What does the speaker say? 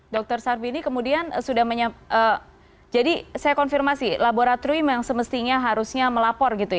dr sarbini kemudian sudah menyiapkan jadi saya konfirmasi laboratorium yang semestinya harusnya melapor gitu ya